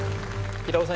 平尾さん